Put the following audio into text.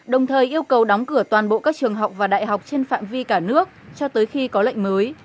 đồng thời yêu cầu đóng cửa toàn bộ các trường học và đại học trên phạm vi cả nước cho tới khi có lệnh mới